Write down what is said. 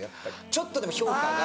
ちょっとでも評価が。